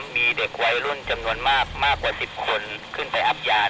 มีเด็กวัยรุ่นมากกว่า๑๐คนขึ้นไปอับยา